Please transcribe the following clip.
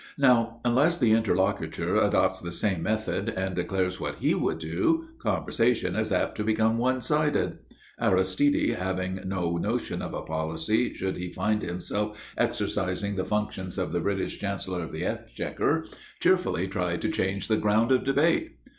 Now, unless the interlocutor adopts the same method and declares what he would do, conversation is apt to become one sided. Aristide, having no notion of a policy should he find himself exercising the functions of the British Chancellor of the Exchequer, cheerfully tried to change the ground of debate.